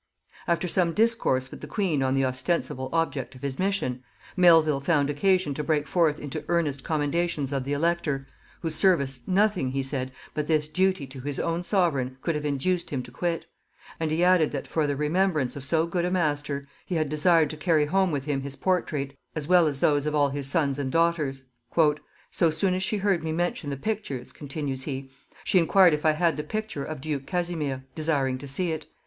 After some discourse with the queen on the ostensible object of his mission, Melvil found occasion to break forth into earnest commendations of the elector, whose service nothing, he said, but this duty to his own sovereign could have induced him to quit; and he added, that for the remembrance of so good a master, he had desired to carry home with him his portrait, as well as those of all his sons and daughters. "So soon as she heard me mention the pictures," continues he, "she enquired if I had the picture of duke Casimir, desiring to see it.